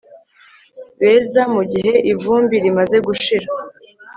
beza mugihe ivumbi rimaze gushira